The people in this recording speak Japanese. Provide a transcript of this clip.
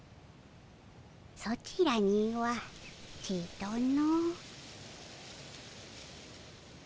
ソチらにはちとの。